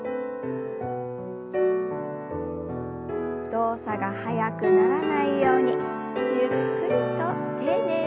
動作が速くならないようにゆっくりと丁寧に。